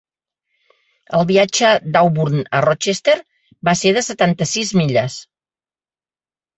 El viatge d'Auburn a Rochester va ser de setanta-sis milles.